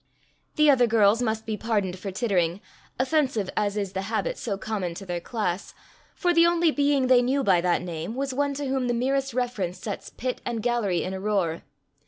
The other girls must be pardoned for tittering, offensive as is the habit so common to their class, for the only being they knew by that name was one to whom the merest reference sets pit and gallery in a roar.